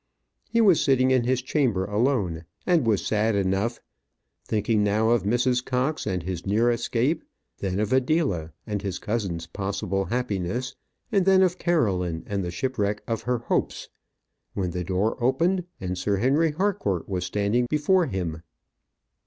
He was sitting in his chamber alone, and was sad enough, thinking now of Mrs. Cox and his near escape, then of Adela and his cousin's possible happiness, and then of Caroline and the shipwreck of her hopes, when the door opened, and Sir Henry Harcourt was standing before him.